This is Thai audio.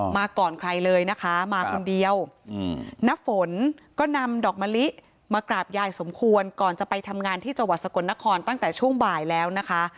มาก่อนใครเลยนะคะมาคนเดียวน้ำฝนก็นำดอกมะลิมากราบยายสมควรก่อนจะไปทำงานที่จังหวัดสกลนครตั้งแต่ช่วงบ่ายแล้วนะคะ